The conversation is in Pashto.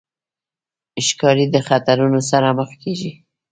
ښکاري د خطرونو سره مخ کېږي.